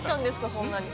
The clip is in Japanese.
そんなに。